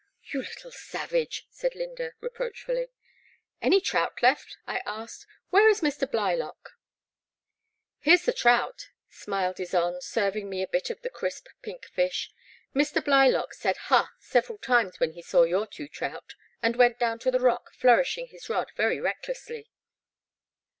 You little savage," said Lynda, reproach fiilly. '' Any trout left ?" I asked. Where is Mr, Blylock?" The Black Water. i8i "Here's the trout,'* smiled Ysonde, serving me a bit of the crisp pink fish. '* Mr. Blylock said * ha I ' several times when he saw your two trout and went down to the rock flourishing his rod very recklessly."